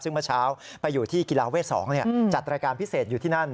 ซึ่งเมื่อเช้าไปอยู่ที่กีฬาเวท๒จัดรายการพิเศษอยู่ที่นั่น